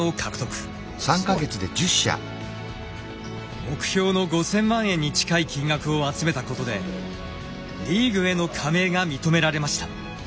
すごい。目標の５，０００万円に近い金額を集めたことでリーグへの加盟が認められました。